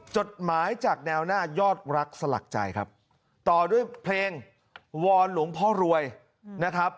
จดหมายจากแนวหน้ายอดรักสลักใจครับต่อด้วยเพลงวอนหลวงพ่อรวยนะครับ